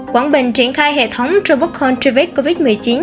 quảng bình triển khai hệ thống robocall truy vết covid một mươi chín